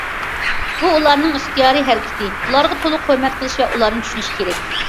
بۇ، ئۇلارنىڭ ئىختىيارىي ھەرىكىتى، ئۇلارغا تولۇق ھۆرمەت قىلىش ۋە ئۇلارنى چۈشىنىش كېرەك.